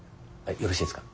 よろしいですか？